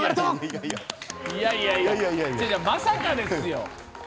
いやいや、まさかですよ。